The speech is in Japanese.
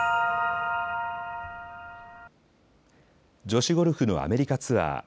女子ゴルフのアメリカツアー。